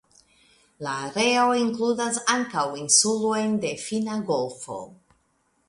La areo inkludas ankaŭ insulojn de Finna golfo.